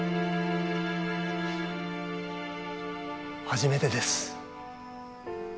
初めてです。